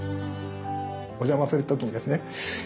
お邪魔する時にですね